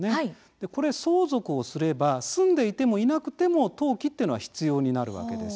これ、相続をすれば住んでいても、いなくても登記っていうのは必要になるわけです。